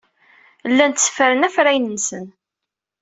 Llan tteffren afrayen-nsen.